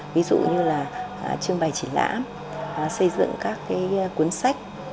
ví dụ như là trưng bày triển lãm xây dựng các cuốn sách